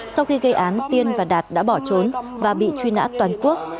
sau khi gây án tiên và đạt đã bỏ trốn và bị truy nã toàn quốc